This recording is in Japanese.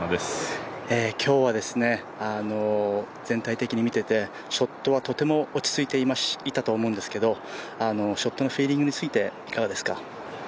今日は全体的に見ててショットはとても落ち着いていたと思うんですけどショットのフィーリングについていかがですか？